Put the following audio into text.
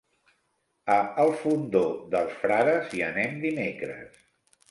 A el Fondó dels Frares hi anem dimecres.